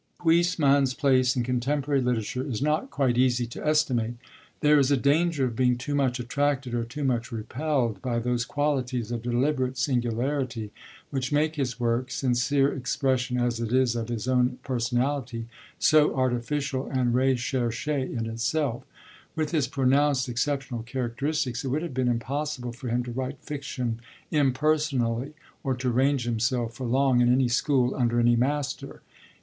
Huysmans' place in contemporary literature is not quite easy to estimate. There is a danger of being too much attracted, or too much repelled, by those qualities of deliberate singularity which make his work, sincere expression as it is of his own personality, so artificial and recherché in itself. With his pronounced, exceptional characteristics, it would have been impossible for him to write fiction impersonally, or to range himself, for long, in any school, under any master.